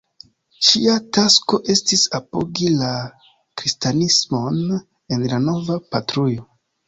Ŝia tasko estis apogi la kristanismon en la nova patrujo.